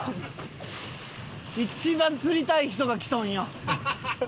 一番釣りたい人が来とんよ。